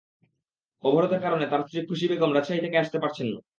অবরোধের কারণে তাঁর স্ত্রী খুশি বেগম রাজশাহী থেকে আসতে পারছেন না।